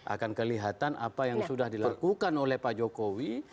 akan kelihatan apa yang sudah dilakukan oleh pak jokowi